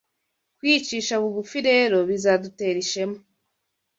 Kwicisha bugufi rero bizadutera ishema